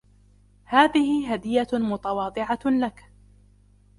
هذه هدية متواضعة لك.